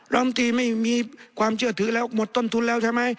ลำตีไม่มีความเชื่อถือแล้วหมดต้นทุนแล้วใช่ไหม